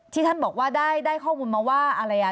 ท่านบอกว่าได้ข้อมูลมาว่าอะไรอ่ะ